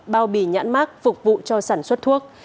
bao bì nhãn mát phục vụ cho sản xuất thuốc